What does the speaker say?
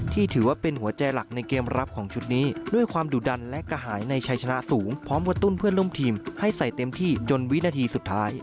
ถือว่าเป็นหัวใจหลักในเกมรับของชุดนี้ด้วยความดุดันและกระหายในชัยชนะสูงพร้อมกระตุ้นเพื่อนร่วมทีมให้ใส่เต็มที่จนวินาทีสุดท้าย